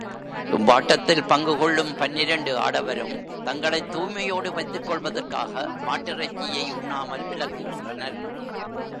இவ்வாட்டத்தில் பங்கு கொள்ளும் பன்னிரண்டு ஆடவரும் தங்களைத் தூய்மையோடு வைத்துக் கொள்வதற்காக, மாட்டிறைச்சியை உண்ணாமல் விலக்குகின்றனர்.